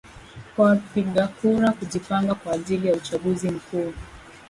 kwa wapiga kura kujipanga kwa ajili ya uchaguzi mkuu